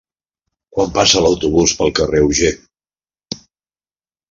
Quan passa l'autobús pel carrer Auger?